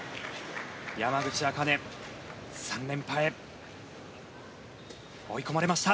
山口茜、３連覇へ追い込まれました。